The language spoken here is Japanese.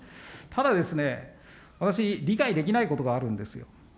ただですね、私、理解できないことがあるんですよ。